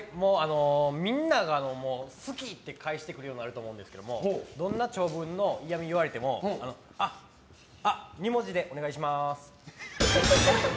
みんなが好きって返してくるようになると思うんですけどどんな長文の嫌味を言われてもあ、２文字でお願いします！